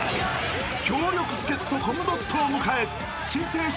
［強力助っ人コムドットを迎え新生笑